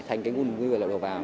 thành cái nguồn nguyên vật lợi độ vào